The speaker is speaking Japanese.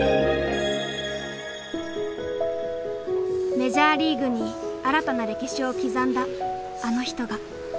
メジャーリーグに新たな歴史を刻んだあの人が。